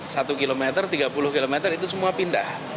satu kilometer tiga puluh km itu semua pindah